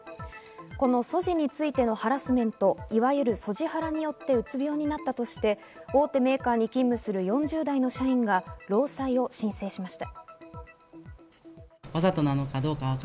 このＳＯＧＩについてのハラスメント、いわゆるＳＯＧＩハラによってうつ病になったとして、大手メーカーに勤務する４０代の社員が労災を申請しました。